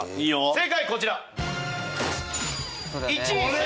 正解こちら！